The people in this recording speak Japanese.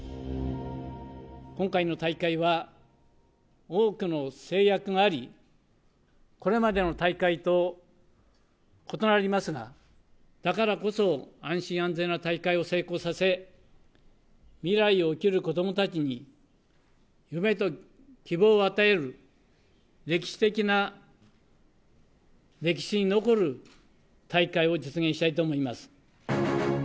今回の大会は多くの制約があり、これまでの大会と異なりますが、だからこそ、安心安全な大会を成功させ、未来を生きる子どもたちに夢と希望を与える、歴史的な、歴史に残る大会を実現したいと思います。